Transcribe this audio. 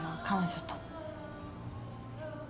彼女と。